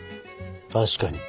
確かに。